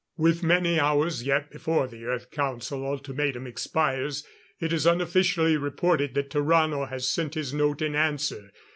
_"With many hours yet before the Earth Council Ultimatum expires, it is unofficially reported that Tarrano has sent his note in answer.